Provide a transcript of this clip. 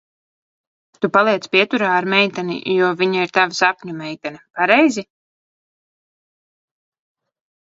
Tu paliec pieturā ar meiteni, jo viņa ir tava sapņu meitene, pareizi?